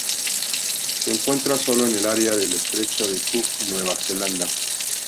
Se encuentra sólo en el área del Estrecho de Cook en Nueva Zelanda.